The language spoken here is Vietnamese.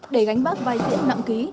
để gánh bắt vai diễn nặng ký